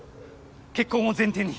結婚を前提に」